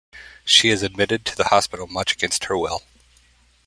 She is admitted to the hospital, much against her will.